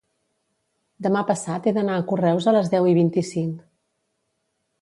Demà passat he d'anar a Correus a les deu i vint-i-cinc.